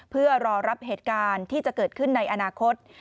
เพื่อรอรับเหตุการณ์ที่จะเกิดขึ้นในอนาคต